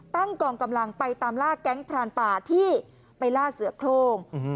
กองกำลังไปตามล่าแก๊งพรานป่าที่ไปล่าเสือโครง